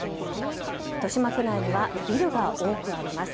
豊島区内にはビルが多くあります。